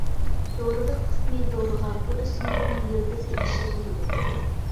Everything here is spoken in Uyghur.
دورىلىق قىسمى دورىغا بۇ ئۆسۈملۈكنىڭ يىلتىزى ئىشلىتىلىدۇ.